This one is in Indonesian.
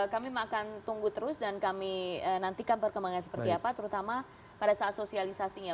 kami akan tunggu terus dan kami nantikan perkembangan seperti apa terutama pada saat sosialisasinya